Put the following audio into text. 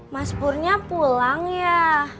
mas purnya pulang ya